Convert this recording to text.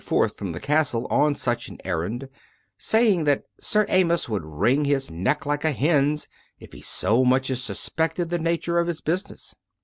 forth from the castle on such an errand, saying that Sir Amyas would wring his neck like a hen's, if he so much as suspected the nature of his business.